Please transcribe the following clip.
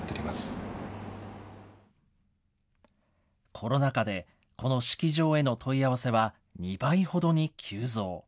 コロナ禍でこの式場への問い合わせは２倍ほどに急増。